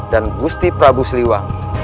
dan gusti prabu siliwangi